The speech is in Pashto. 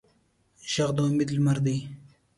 غږ د امید لمر دی